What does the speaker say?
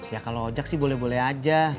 ya kalo jak sih boleh boleh aja